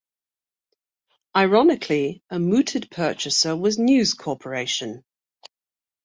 Ironically, a mooted purchaser was News Corporation.